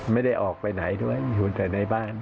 ไม่ได้ออกไปไหนด้วยอยู่แต่ในบ้าน